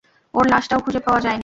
ওর লাশটাও খুঁজে পাওয়া যায়নি।